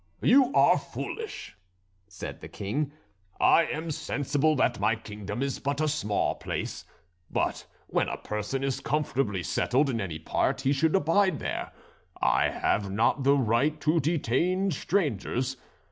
"You are foolish," said the King. "I am sensible that my kingdom is but a small place, but when a person is comfortably settled in any part he should abide there. I have not the right to detain strangers.